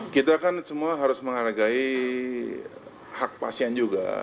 kita kan semua harus menghargai hak pasien juga